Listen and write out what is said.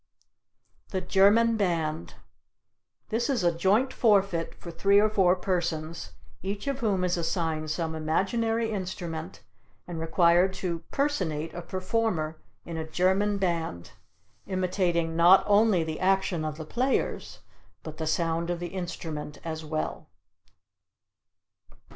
The German Band. This is a joint forfeit for three or four persons, each of whom is assigned some imaginary instrument and required to personate a performer in a German band, imitating not only the action of the players but the sound of the instrument as well.